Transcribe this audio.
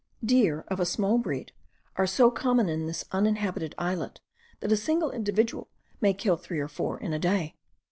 Deer of a small breed are so common in this uninhabited islet, that a single individual may kill three or four in a day.